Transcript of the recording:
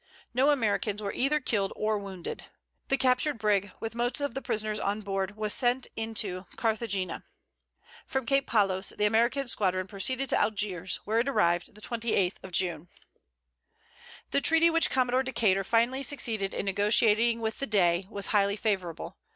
No Americans were either killed or wounded. The captured brig, with most of the prisoners on board, was sent into Carthagena. From Cape Palos, the American squadron proceeded to Algiers, where it arrived the 28th of June. The treaty which Commodore Decater finally succeeded in negotiating with the Dey, was highly favorable.